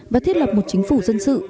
và thiết lập một chính phủ dân sự